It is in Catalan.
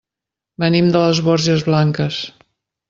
Venim de les Borges Blanques.